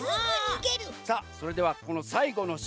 さあそれではこのさいごの「し」。